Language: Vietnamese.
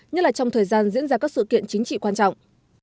nhất là trong thời gian diễn ra các sự kiện chính trị quan trọng